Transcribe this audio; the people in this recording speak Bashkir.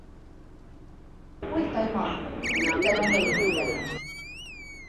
- Ҡуй, Таймаҫ, һин бик тәрәнгә инеп китәһең.